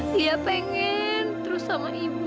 dia pengen terus sama ibu